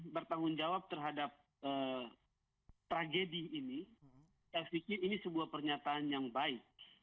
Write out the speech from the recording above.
bertanggung jawab terhadap tragedi ini saya pikir ini sebuah pernyataan yang baik